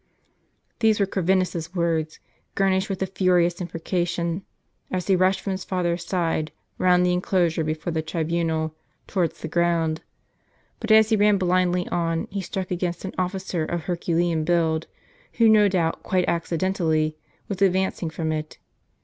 These were Corvinus's words, garnished with a furious imprecation, as he rushed from his father's side round the enclosure before the tribunal, towards the group. But as he ran blindly on, he struck against an of&cer of herculean build, who, no doubt quite accidentally, was advancing from it.